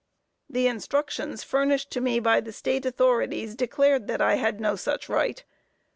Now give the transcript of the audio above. The instructions furnished me by the State authorities declared that I had no such right.